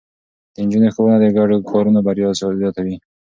د نجونو ښوونه د ګډو کارونو بريا زياتوي.